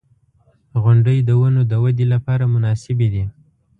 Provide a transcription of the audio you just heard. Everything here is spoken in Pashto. • غونډۍ د ونو د ودې لپاره مناسبې دي.